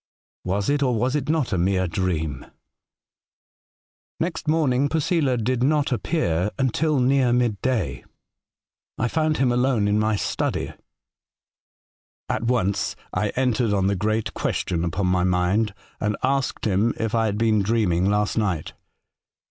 Was it, or was it not, a mere dream ?'' Next morning Posela did not reappear until near midday. I found him alone in my study. At once I entered on the great ques 54 A Voyage to Other Worlds, tion upon my mind, and asked him if I haa been dreaming last niglit.